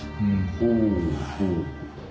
ほうほう。